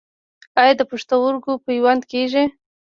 آیا د پښتورګو پیوند کیږي؟